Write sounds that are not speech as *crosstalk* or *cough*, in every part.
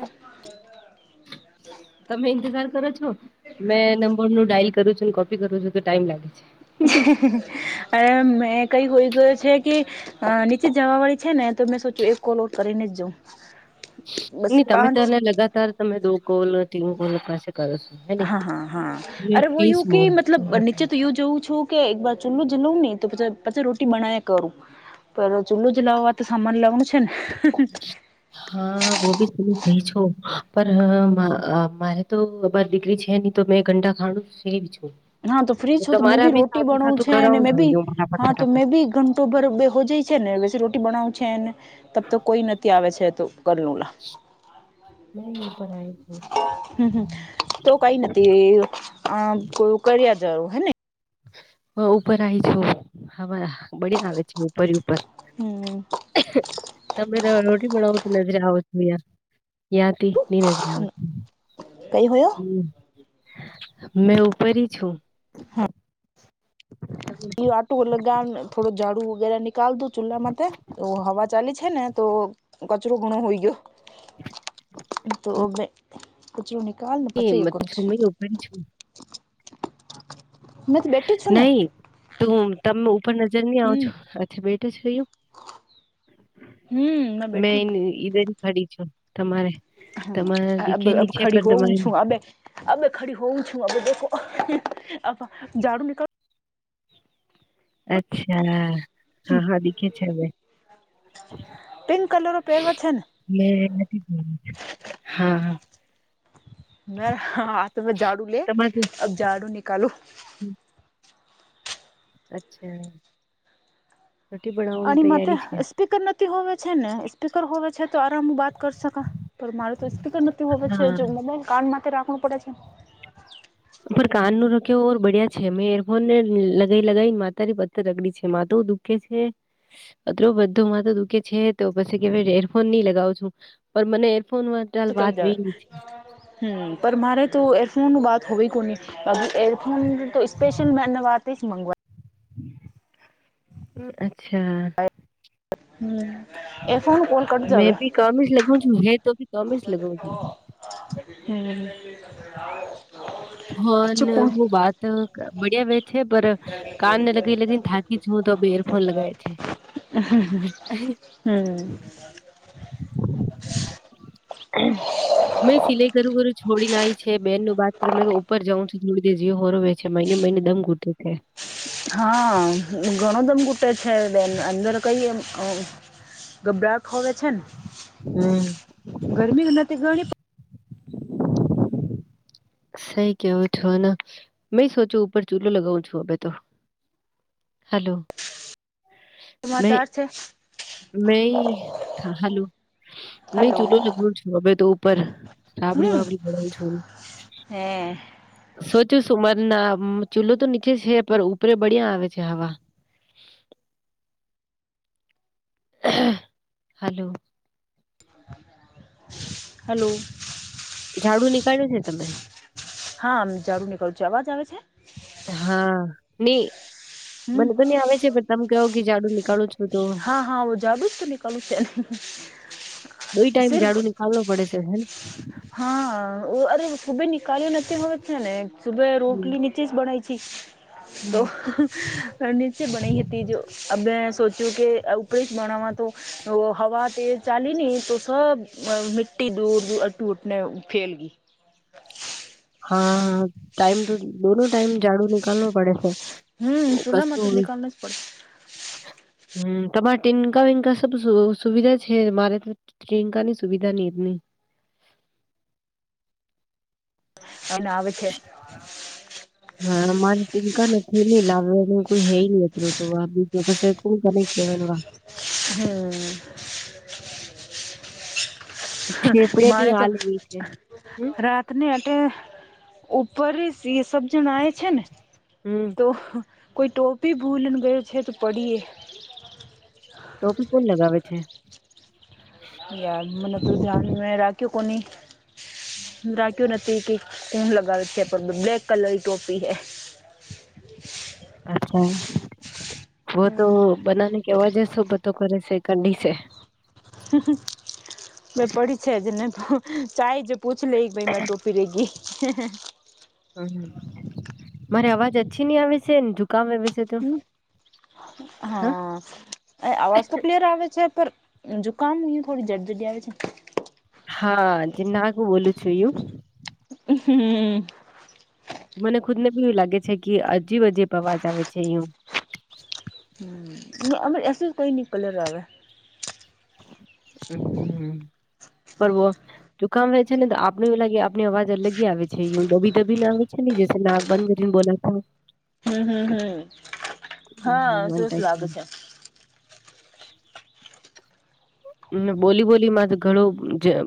ઓ તમે ઈંતજાર કરો છો મેં નંબર નું ડઇલ કરું છું ને કોપી કરું છું તો ટાઈમ લાગે છે અરે મેં કઈ હોઈ ગયો છે કે અ નીચે જવા વાળી છે ને તો મેં સોચું એક કોલ આઉટ કરીને જ જાઉં બસ નઈ તમે તો પાંચ એને લગાતાર તમે દો કોલ તીન કોલ પાસે કરો છો હે ને હા હા હા મેં અરે ફ્રી એું કે છું મતલબ નીચે તો એવું જોવું છું કે એક વાર ચૂલ્લું જીલું નહી તો પછી રોટી બનાવી કરું પે ચૂલું જલાવવા તો સામાન લાવવાનું છે ને હા બ બી કઈ છું મારે તો બાર દીકરી છે નહી તો મે ગંડા ખા છું હા તો ફ્રીજ છો તો મેં તમારા બી રોટી સાદું બનાું સાદું છે અને કરાવું મે બી જોઈએ ફટાફટ હા તો મે ફટાફટ બી ઓકોબર બે હો જાય છે ને પી રોટી બનાવ છે ને ત તો કોઈ નથી આવે છે તો કરલું લ મે પણ આઈ હમ હમ તો કઈ નથી આ કો કર્યા જવું હેને હ ઉપર આવી છું હવા બડ આવે છે ઉપર ઉપર હમ તમે રોટી બનાવો તો નજરે આવો છો ાર યાતી નત કઈ હોય મેં ઉપરી છું આટુંલગા ને થોડું ાડું વગેરે નીકાલ દું ચૂલ્લામાં તો હવા ચાલી છે ને તો કચરો ગુણો હોઈ ગયો તો કચરોું નિકાલ ને પચૈ કરું છે કરી છું મે તો બેા નહી તું તમે ઉપર નજર નહી આવ હમ છો અચ્છા બેઠા છેયું હમ મે બેઠું મેં ઈધર ખાડી છું તમારે તમારા દીખે હા ની છે ખડી પણ હોવું તમારી છું અ અ ખરી હોઉ છુંો ઝડું નીકળ અચ્છા હા હા દીખે છેવે પિંક કલર પહેરવા છે ને મે હા મે હાથ મે ઝાડુ લે તમારે અબ ઝાડુ નિકાલું અચ્છા રુટી બાવ આ માટે સ્પીકર નથી હોવે છે ને સ્પીકર હોવે છે તો આરામ બાત કરી સક પણ મારે તો સ્પીકર નથી હોવે છે હા જો મોબાઈલ કાન માટે રાખવું પડે છે ઉપર કાન નો રખ્યોર બડ્યા છે મેં એરફોન ને લગાઈ લગીને માતારી પથ્થર રગડી છે મા દુઃખ અ બધું તો દુખે છે તો પછ કે એરફોન નહી લગાવું છું પણ મને એરફોન માટેાલ વાત વ હ પર મારે તો એરફોનનું બાત હોવી કોની અી એયરફોન તો સ્પેશલ મેને વાત મંગવા અચ્છા હ હમ કટ મેં જાવ ભી કમેી જ લગું છ હ તો ભી કમેજ લગું છ હમ ફન અચ્છા કોણ મુબત બડિયા વ છે પર કાન ન લગી લગીને થાકી જું તો એરફોન લગાવ છે હમ હ હમ મેં સિલાઈ કરું કરું છોડી ના આવી છે બેન ન બાત તમે તો ઉપર જવં છ થોડીી જીઓ હોરોવે છે મને મિને દમ ગૂતું છે હા ઘણો દમ ઘૂટે છે બેન અંદર કઈ એમ ગબરાટ હો છે હમ ગરમી નથી ગણી સઈ કેવો છોને મે સોચ્યું ઉપર ચૂલો લગાવું છું હ તો હલોો સમાચાર છે મે હાલું નહી હેલો ચૂલો લગવ છું હ તો ઉપર સાબડી વાબડી ભણ છું હમ સોચ્યું સુુંમર ના ચૂલો તો નીચે છે પણ ઉપરે બળ્યા આવે છે હવા હાલો હલો ઝાડુ નીકાળ્યું છે તમે હા આમ જરૂર નીકળું છું અવાજ આવે છે હા નઈ હમ મને તો નહી આવે છે પણ તમે કહવો કે જાાડુ નીકળું છો હા હા જાદુ જ તો નિકલું ન સિર્ફ હો પડે છે હા અરે સુબે નિકાલ નથી હોવે છે ને સુબે હમ રોટલી ચીજ બનૈ છે હમ તોર ચે બનૈ હતી હતી જો અ બે સોચ્યું કે ઉપડી જ ભણવા તો હવા તે ચાલી નહી તો સ અ મિટી દૂર દ અટુ ઉટને ફેલ ગઈ હા હા ટાઈમ તો દોનો ટાઈમ ઝાડુ નનીિકાલવ પડે છે હમ કચ ચૂલામાં તો નીકળને જ પડે હમ તમારે ટેનકા વંકા સબ સુવિધા છે મારે પ્રિયંકાની સુવિધા નિનીની અને ના હા મારા ટીંકા ને ગુમી લાવે એટલું કોઈ હૈ ન અતરું તો આગુ તો પ કોણ કર કેવાન વા હમ થેપડે હમ ની માને તો આલવી છે હમ રાતને એટ ઉપર એ સબ જણ આવે છે ને હમ્મ તો કોઈ ટોપી ભૂલને ગયો છે તો પડીએ ટોપી પણ લગાવે છે યા મને તું જાની મે રાખ્યું કોની રાખ્યું નથી કે ફૂન લગાવે છે પણ બ્લેક કલર ટોપી હે અચ્છા બ તો બનાને કેવા જસો બધું કરે છે કાઢી છે હ હ મે પડી છે જે ચા જે પૂછ લે કે ભ મા ટોપી રેગી હમ્મ મારી અવાજ અછી નહી આવે છેને જુકામ આવે છે તો હમ્મ હા અવાજ તો ક્લિયર આવે છે પર જુકામ હો થોડી જડતૂ જય છે હા જે નાકુ બોલું છું યું હમ્મ મને ખુદ ને બી એવું લાગે છે કે હજીબ હજીબ અવાજ આવે છે અહીં હમ્મ અમ એ કોઈ ની કલર આવે હમ્મ પરવો જુકામ રહે છે ને તો આપને એવું લાગે આપણી અવાજ અલગી આવે છે યું દબી દબીને આવે છે ને જે નાક બંધ કરીને બોલા હમ્મ હમ્મ હમ્મ હમ્મ હા વન સરસ લાગે છે ટાઈમ બોલી બોલી માં તો ઘણું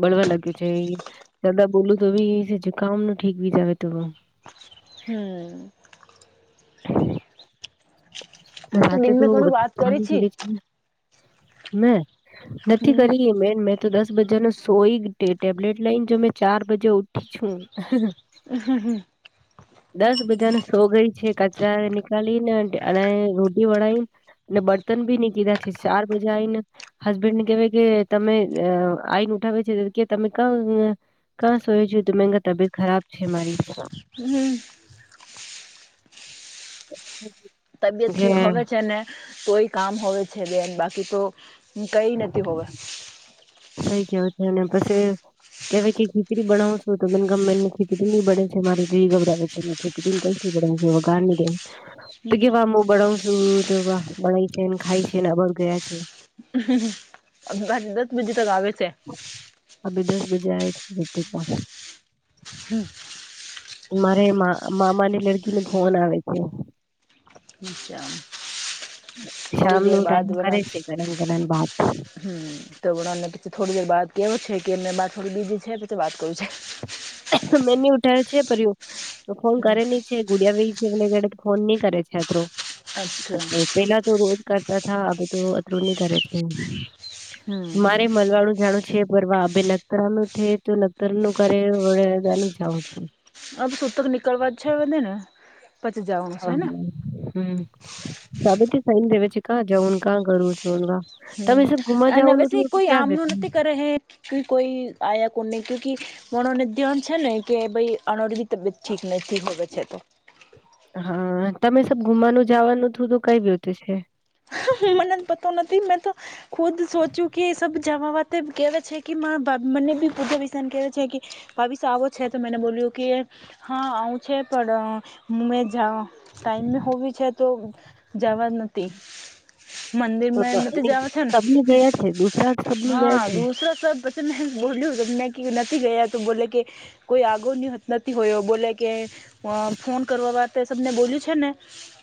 બળવા લાગ્યું છે એ જદા બોલું તો બી જુકામ ન ઠીક બી જ આવે તો હમ્મ હું રાતે દિન મેં તો ઘણું વાત કરી છી *unintelligible* મે નથી હમ કરી એ મેન મે તો દસ બજા ન સોઈ ટેબ્લેટ લઈને જો મે ચાર બજે ઉઠી છું હમ્મ હમ્મ હમ્મ દસ બજાને સો ગઈ છે કચરા નીકાળી ને અને રોટી વળીને અને બર્તન ભી ને કીધા છે ચાર બજા આવીને હસબેન્ડ ને કેહેવાય કે તમે આઈને ઉઠાવે છે કે તમે ક કા સોય છે તમે તબિયત ખરાબ છે મારી હમ્મ તબિયત કે ઠીક હોવે છે ને તોઈ કામ હોવે છે બેન બાકી તો હ કઈ નથી હોવે સઈ કેવું છે અને પછી કવા કે ખીચડી બનાાવશો તો પણ ગમે ની ખીચડી બને છે મારે જીવ ગબરાવે છે *unintelligible* વઘાર ની દઉં તો હમ કેવા હું બણાવ છું તો વા ભણાય છેને ખાય છેને આભર ગયા છે દસ બજે તક આવે છે અભી દસ બજે આવીઈ છે *unintelligible* હમ્મ મારે મા મામાની લડકી નો ફોન આવે છે અચ્છા શામ થોડી દેર નો ટાઈમ કરે છે ઘણા ઘણા ભત હમ્મ તો ને પછી થોડી દેર બાદ કેવો છે કે મેં થોડી બીજી છે પછી વાત કરું છે મેન્ય ઉઠાવો છે પરું તો ફોન હમ કરે છે ગુડિયા ભ છેે ફોન નહી કરે છે અત્તરો અચ્છા પેલા તો રોજ કરતા થા અ તો અતરું નની કરે છે મારે હમ મળવાનુ જાણું છે પરવા ભ નકતરા ન છે તો નખતરા નું કરે ડ જ આ તો સુૂત્ર નિકલવાજ છે વને હ હમ સાબથી સાહીન વિ કા જઉન કા ગરું છુન ક હમ અને ના વેસે કોઈ આમ ન વ્યો? ઉનતિ કરે કે કોઈ આયા કોને કુ મણને ધ્યાન છે ને કે ભાઈ અણરીી તબિયત ઠીક નથી હોવે છે તો હા તમે સબ ગુમાવાનું જવાનું થું તો કઈ્યું તો છે પતા નથી નથી મેં તો ખુદ સોચું કે સબથી જમાાવતે કેહેવે છે કે મા બાપ મને ભી પૂજા વિષન કરવે છે કે ભાવિશ આવો છે તો મેને બોલ્યું કે હા આવું છે પણ હ ટાઈમ હોવી છે તો જવાનતી તો મંદિરમાં મત ની જવાથને સબની ગયા છે ગુજરાત સબની ગયા હા છે દુસરા સ તો મેં બોલલીું ત મેં કે નથી ગયા તો બોલે કે કોઈ આગો નથી હોયો બોલે કે ફોન કરવા વાત સને બોલ્યું છે ને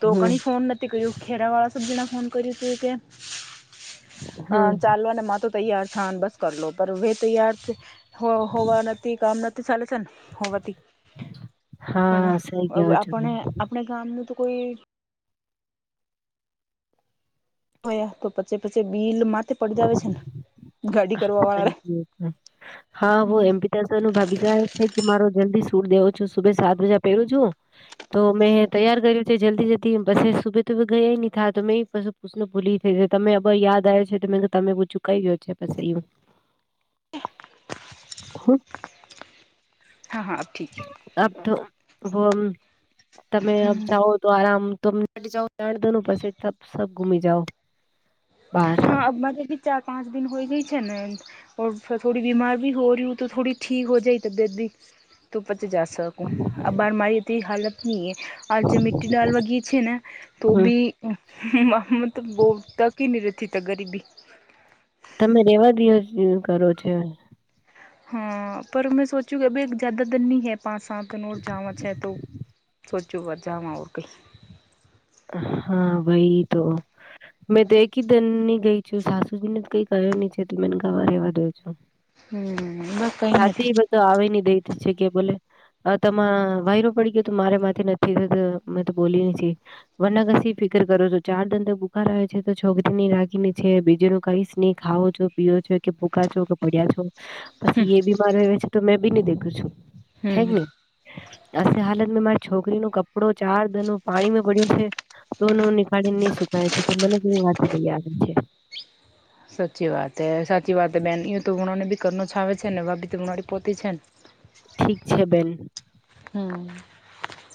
તો હમ કણી ફોન નથી કર્યું ખેરા વાળા સજીને ફોન કર્યું ત કે અ હમ ચાલવા અને મા તો તૈયાર થને બસ કર લો પણ હે તૈયાર છે હો હોવા નથી કામ નથી ચાલે છેને હોવા ત પણ હા સહી કયો છો આપણે આપણા ગામ ન તો કોઈ તો પછે પછી બિલ માથે પડજાવ છે ને ગાડી કરવા વાળા રે હા હ હમ એમપી ભાગીચાર છે કે મારો જલ્દી સૂટ દેવો છું સુભે સાત વાજા પહેરું છું તો મેં તૈયાર કર્યો છે જલ્દી જલ્દી બસ સુબે તો સુબ ગયા નહીંા તો મે ભૂલી થઈ તમે બ યાદ આવ છે તો મે તમે પૂછું કઈ ગયો છે પછી એવું હા હા ઠીક હ અ તોમ તમે જાઓ તો આરામ ત તો પછ સબ ઘુમી જાઓ બાર આમાંી ચાર પાંચ દિ હોય જાય છે ને ઓઔ થોડી બીમાાર ભી હો રહી હોય તો થોડી ઠીક હો જાય તબિયત ભ તો પછી જ શકું આ બાર મારી હાલત નહી એ આ જે મિ્ટી દાલ બગીચ છેે ને તો હમ બી મતલબ બહ તક નિ ચ તો ગરીબી તમે રેવા દિવસ કરો છો હા પર મેં સોચું કે અ ભ એક જ્યાદા દરની હ પા સાથ નળજામાં છે તોું સોચ્યું વજામાં ઓરતી હા ભહી તો મેં તો એક જ ધનની ગઈ છું સાસુજી ને કઈ ક્યો નહી છે તો મેને ગાવા રેવા દો છું હ બ કંઈ નથી તો આવે ન દઈ છે કે બોલે અ તમા વાયરો પડી ગયો તો મારે માથી નથી થતો મેં તો બોલી વનગસી ફિકર કરો છો ચાર ધંધો બુકાર આવે છે તો છોકરીની રાખીને છે બીજ ન કઈ સ્નેહ ખાવો છો પીઓ છેો કે ભૂકાા છો કે પડ્યા છો પછી એ બીમાર હો છે તો મેં બી નહી દેખું છું હમ હેગ નહી અી હાલત મે મારી છોકરી ન કપડો ચાર ધનું પાણી પડ્યું છે તો ન નીાળીને નહી સુકાય છે તો મને કેવી વાત થ આવે છે સાચી વાત એ સાચી વાત બેન તો હુણાને ભી કર છ આવે છે ને ભ ભી હડી પોતી છે ને ઠીક છે બેન હમ